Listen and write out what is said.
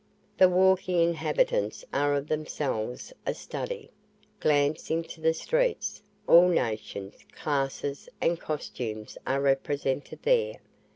The walking inhabitants are of themselves a study: glance into the streets all nations, classes, and costumes are represented there.